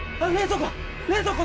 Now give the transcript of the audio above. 冷蔵庫！